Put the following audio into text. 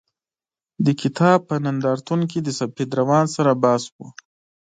د کتاب په نندارتون کې د سفید روان سره بحث و.